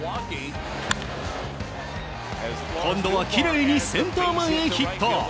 今度はきれいにセンター前にヒット。